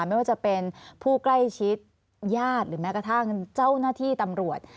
ไม่ว่าจะเป็นผู้ใกล้ชิดญาติหรือแม้กระทั่งเจ้าหน้าที่ตำรวจ